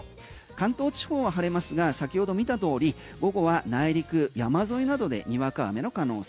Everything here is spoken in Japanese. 関東地方は晴れますが先ほど見た通り午後は内陸山沿いなどでにわか雨の可能性。